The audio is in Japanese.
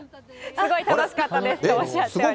すごい楽しかったですとおっしゃってます。